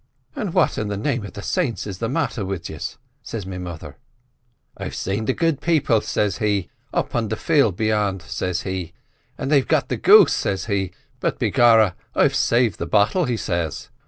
"'An' what in the name of the saints is the mather wid yiz?' says me mother. "'I've sane the Good People,' says he, 'up on the field beyant,' says he; 'and they've got the goose,' says he, 'but, begorra, I've saved the bottle,' he says.